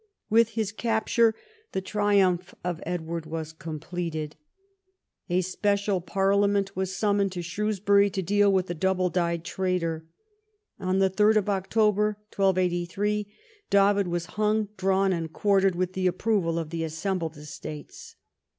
With his capture the triumph of Edward was completed. A special Parliament was sum moned to Shrewsbury to deal with the double dyed traitor. On 3rd October 1283 David was hung, drawn, and quartered with the approval of the assembled estates.